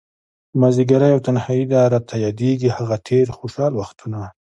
مازديګری او تنهائي ده، راته ياديږي هغه تير خوشحال وختونه